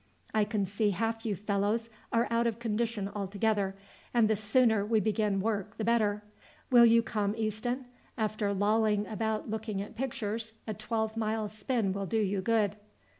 I can see half you fellows are out of condition altogether, and the sooner we begin work the better. Will you come, Easton? After lolling about looking at pictures a twelve mile spin will do you good."